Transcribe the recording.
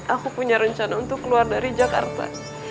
aku punya rencana untuk keluar dari jakarta